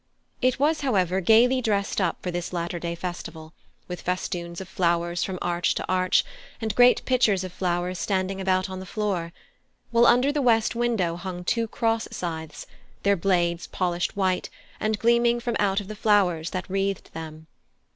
It was, however, gaily dressed up for this latter day festival, with festoons of flowers from arch to arch, and great pitchers of flowers standing about on the floor; while under the west window hung two cross scythes, their blades polished white, and gleaming from out of the flowers that wreathed them.